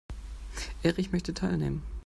Erich möchte teilnehmen.